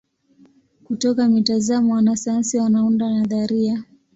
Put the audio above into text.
Kutoka mitazamo wanasayansi wanaunda nadharia.